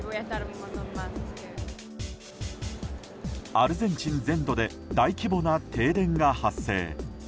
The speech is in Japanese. アルゼンチン全土で大規模な停電が発生。